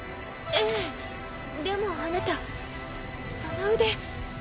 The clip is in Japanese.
ええでもあなたその腕。